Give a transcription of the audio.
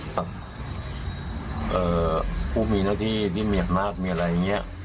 ฟูบมีหน้าที่นี่เหมาะจริงมากมีอะไรอย่างนี้